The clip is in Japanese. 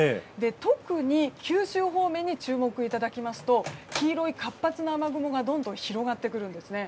特に九州方面に注目いただきますと黄色い活発な雨雲が広がってくるんですね。